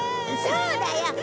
そうだよ。